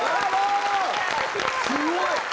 すごい！